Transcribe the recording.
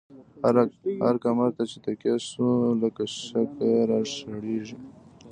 هر کمر ته چی تکیه شوو، لکه شگه را شړیږی